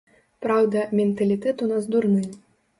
Праўда, менталітэт у нас дурны.